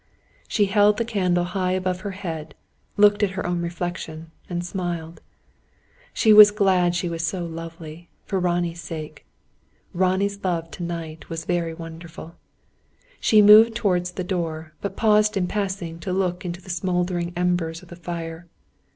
She held the candle high above her head, looked at her own reflection, and smiled. She was glad she was so lovely for Ronnie's sake. Ronnie's love to night was very wonderful. She moved towards the door, but paused in passing, to look into the smouldering embers of the fire.